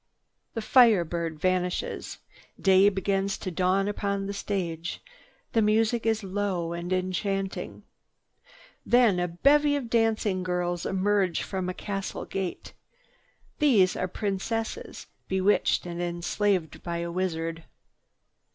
The Fire Bird vanishes. Day begins to dawn upon the stage. The music is low and enchanting. Then a bevy of dancing girls emerge from a castle gate. These are Princesses, bewitched and enslaved by a wizard.